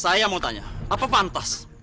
saya mau tanya apa pantas